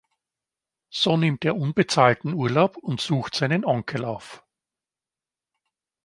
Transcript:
So nimmt er unbezahlten Urlaub und sucht seinen Onkel auf.